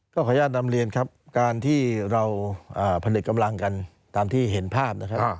ขออนุญาตนำเรียนครับการที่เราพนึกกำลังกันตามที่เห็นภาพนะครับ